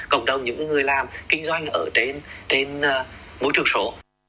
cộng đồng những người làm kinh doanh ở trên môi trường số